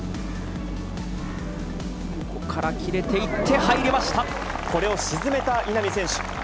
ここから切れていって、これを沈めた稲見選手。